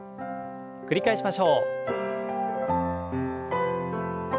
繰り返しましょう。